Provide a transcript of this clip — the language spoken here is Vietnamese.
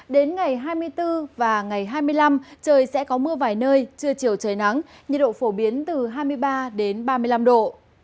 đến ngày hai mươi bốn và ngày hai mươi năm trời sẽ có mưa vài nơi trưa chiều trời nắng nhiệt độ phổ biến từ hai mươi ba ba mươi năm độ